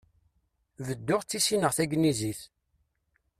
Bedduɣ ttissineɣ tagnizit.